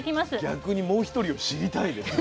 逆にもう１人を知りたいです。